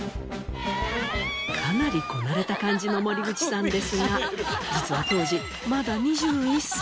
かなりこなれた感じの森口さんですが実は当時まだ２１歳。